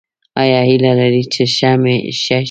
ایا هیله لرئ چې ښه شئ؟